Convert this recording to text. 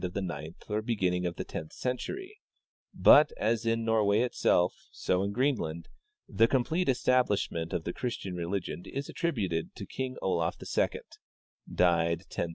of the ninth or heginning of the tenth century ; hut, as in Nor way itself, so in Greenland, the complete establishment of the Christian religion is attributed to King Olaf II (died 1030).